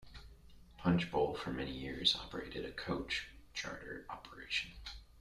Punchbowl for many years operated a coach charter operation.